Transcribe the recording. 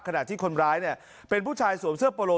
ขณะที่คนร้ายเนี่ยเป็นผู้ชายสวมเสื้อโปโล